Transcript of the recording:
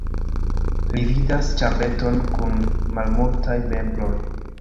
Li vidas ĉambreton kun malmultaj mebloj.